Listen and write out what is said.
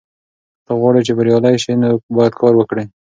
که ته غواړې چې بریالی شې نو باید کار وکړې.